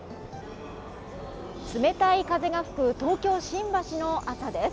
冷たい風が吹く東京・新橋の朝です。